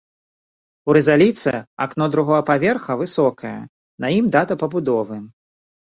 У рызаліце акно другога паверха высокае, на ім дата пабудовы.